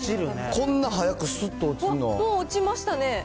こんな早く、すっと落ちるのは。